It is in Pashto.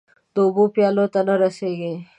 د اوبو پیالو ته نه رسيږې